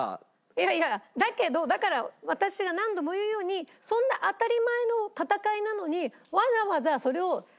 いやいやだけどだから私が何度も言うようにそんな当たり前の戦いなのに。